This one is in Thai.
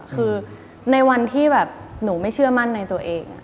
คือในวันที่แบบหนูไม่เชื่อมั่นในตัวเอง